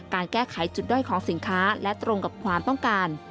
การแก้ไขจุดด้อยของสินค้าและตรงกับความต้องการ